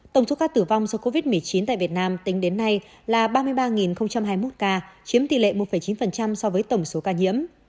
tổng số ca tử vong do covid một mươi chín tại việt nam tính đến nay là ba mươi ba hai mươi một ca chiếm tỷ lệ một chín so với tổng số ca nhiễm